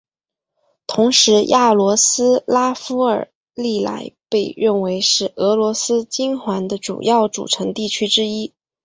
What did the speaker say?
同时雅罗斯拉夫尔历来被认为是俄罗斯金环的主要组成地区之一。